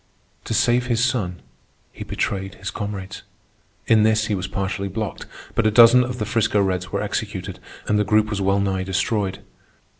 To save his son, he betrayed his comrades. In this he was partially blocked, but a dozen of the 'Frisco Reds were executed, and the group was well nigh destroyed.